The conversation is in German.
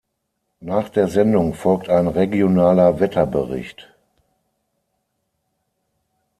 Nach der Sendung folgt ein regionaler Wetterbericht.